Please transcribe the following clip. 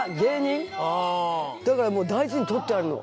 だからもう大事に取ってあるの。